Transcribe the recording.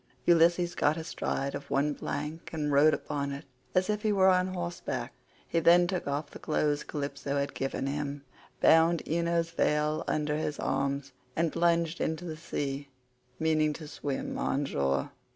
Ulysses got astride of one plank and rode upon it as if he were on horseback; he then took off the clothes Calypso had given him, bound Ino's veil under his arms, and plunged into the sea—meaning to swim on shore.